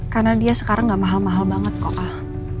karena dia sekarang nggak mahal mahal banget kok al